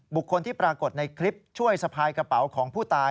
บุคคลที่ปรากฏในคลิปช่วยสะพายกระเป๋าของผู้ตาย